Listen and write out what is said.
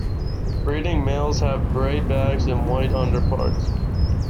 Breeding males have grey backs and white underparts.